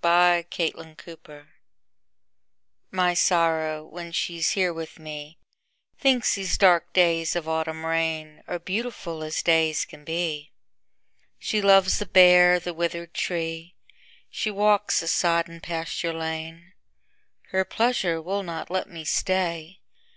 My November Guest MY Sorrow, when she's here with me, Thinks these dark days of autumn rainAre beautiful as days can be; She loves the bare, the withered tree; She walks the sodden pasture lane. Her pleasure will not let me stay.